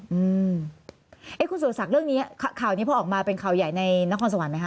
อืมเอ๊ะคุณสุรศักดิ์เรื่องนี้ข่าวนี้พอออกมาเป็นข่าวใหญ่ในนครสวรรคไหมค